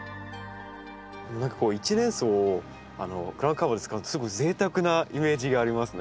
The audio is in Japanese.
何かこう一年草をグラウンドカバーで使うのってすごい贅沢なイメージがありますね。